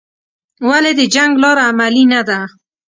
ولې د جنګ لاره عملي نه ده؟